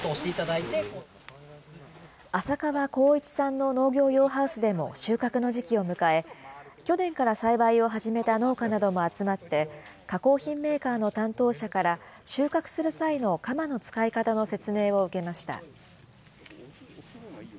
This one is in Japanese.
浅川晃一さんの農業用ハウスでも収穫の時期を迎え、去年から栽培を始めた農家なども集まって、加工品メーカーの担当者から、収穫する際の鎌の使い方の説明を受けました。